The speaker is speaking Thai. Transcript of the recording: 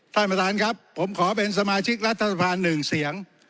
ท่านประธานครับผมขอเป็นสมาชิกรัฐสภาหนึ่งเสียง